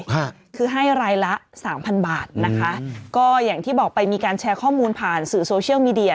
ฮะคือให้รายละสามพันบาทนะคะก็อย่างที่บอกไปมีการแชร์ข้อมูลผ่านสื่อโซเชียลมีเดีย